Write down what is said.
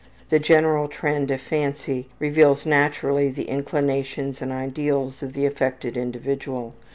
The general trend of fancy reveals naturally the inclinations and ideals of the affected individual.